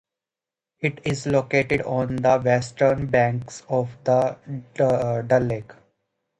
It is located on the western banks of the Dal Lake.